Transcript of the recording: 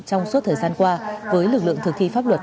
trong suốt thời gian qua với lực lượng thực thi pháp luật